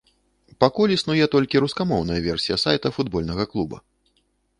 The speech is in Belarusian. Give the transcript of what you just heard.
Пакуль існуе толькі рускамоўная версія сайта футбольнага клуба.